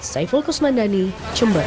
saya fulkus mandani jember